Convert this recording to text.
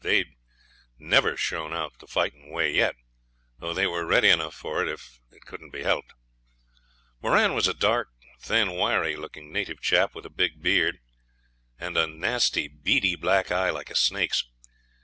They'd never shown out the fighting way yet, though they were ready enough for it if it couldn't be helped. Moran was a dark, thin, wiry looking native chap, with a big beard, and a nasty beady black eye like a snake's.